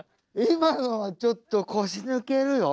今のはちょっと腰抜けるよ。